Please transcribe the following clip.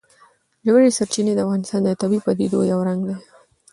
ژورې سرچینې د افغانستان د طبیعي پدیدو یو رنګ دی.